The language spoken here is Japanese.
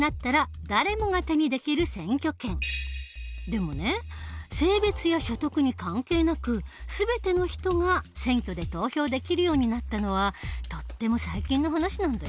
でもね性別や所得に関係なく全ての人が選挙で投票できるようになったのはとっても最近の話なんだよ。